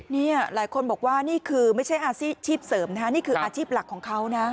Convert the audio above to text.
นี่หลายคนบอกว่านี่คือไม่ใช่อาชีพเสริมนะนี่คืออาชีพหลักของเขานะ